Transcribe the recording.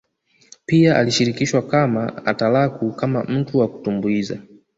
Pia alishirikishwa kama atalaku kama mtu wa kutumbuiza